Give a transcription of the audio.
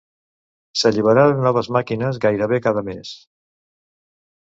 S'alliberaren noves màquines gairebé cada mes.